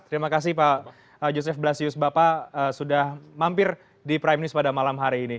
terima kasih pak joseph blasius bapak sudah mampir di prime news pada malam hari ini